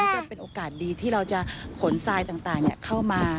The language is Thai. ก็เป็นโอกาสดีที่เราจะขนทรายต่างเข้ามา